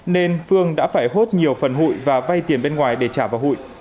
nên phương đã phải hốt nhiều phần hụi và vay tiền bên ngoài để trả vào hụi